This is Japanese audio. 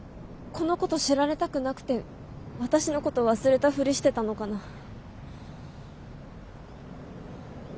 このこと知られたくなくて私のこと忘れたフリしてたのかな。